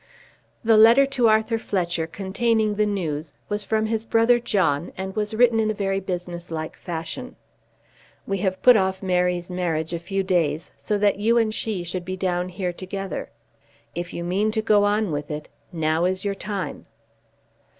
The letter to Arthur Fletcher containing the news was from his brother John, and was written in a very business like fashion. "We have put off Mary's marriage a few days, so that you and she should be down here together. If you mean to go on with it, now is your time."